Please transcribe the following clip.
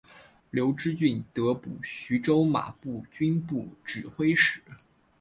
刘知俊得补徐州马步军都指挥使。